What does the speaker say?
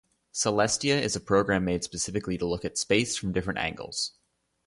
Celestia is a program made specifically to look at space from different angles